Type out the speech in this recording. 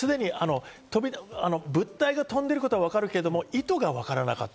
物体が飛んでいることわかるけど、意図がわからなかった。